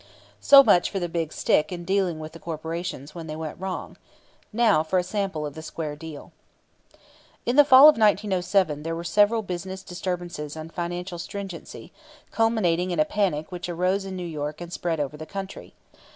So much for the "big stick" in dealing with the corporations when they went wrong. Now for a sample of the square deal. In the fall of 1907 there were severe business disturbances and financial stringency, culminating in a panic which arose in New York and spread over the country.